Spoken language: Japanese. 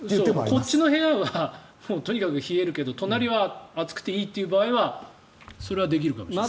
こっちの部屋はとにかく冷えるけど隣は暑くていいという場合はそれはできるかもしれない。